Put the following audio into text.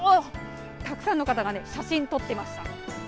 たくさんの方が写真を撮っていました。